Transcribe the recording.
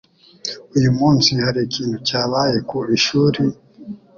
Uyu munsi hari ikintu cyabaye ku ishuri?